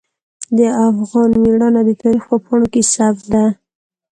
د افغان میړانه د تاریخ په پاڼو کې ثبت ده.